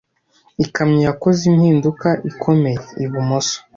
Ikamyo yakoze impinduka ikomeye ibumoso.